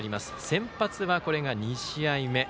先発はこれが２試合目。